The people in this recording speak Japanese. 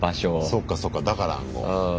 そっかそっかだから暗号。